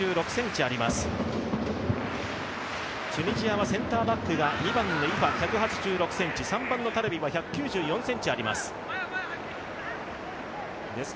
チュニジアはセンターバックが２番のイファ、１８６ｃｍ、３番のタルビは１９４ｃｍあります。